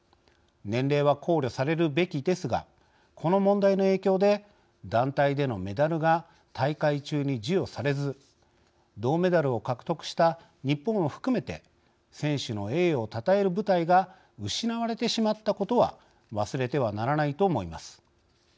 年齢は考慮されるべきですがこの問題の影響で団体でのメダルが大会中に授与されず銅メダルを獲得した日本を含めて選手の栄誉をたたえる舞台が失われてしまったことは忘れてはならないと思います。